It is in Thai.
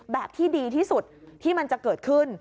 แบบที่ดีที่สุดที่มันจะเกิดขึ้น